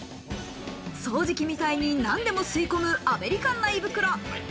掃除機みたいに何でも吸い込むアメリカンな胃袋。